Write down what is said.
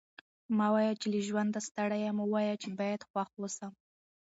مه وايه! چي له ژونده ستړی یم؛ ووايه چي باید خوښ واوسم.